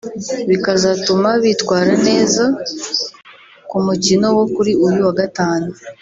bikazatuma bitwara neza ku mukino wo kuri uyu wa Gatanu